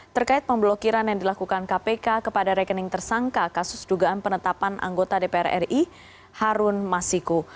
terkait pemblokiran yang dilakukan kpk kepada rekening tersangka kasus dugaan penetapan anggota dpr ri harun masiku